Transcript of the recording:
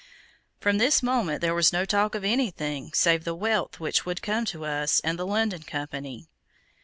From this moment there was no talk of anything save the wealth which would come to us and the London Company.